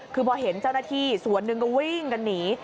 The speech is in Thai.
คือพอเห็นเจ้าหน้าที่ส่วนหนึ่งก็วิ่งกันหนี